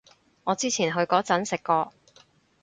我之前去嗰陣食過